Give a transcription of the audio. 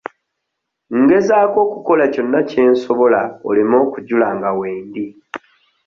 Ngezaako okukola kyonna kye nsobola oleme kujula nga wendi.